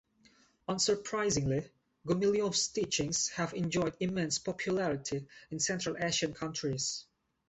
Unsurprisingly, Gumilyov's teachings have enjoyed immense popularity in Central Asian countries.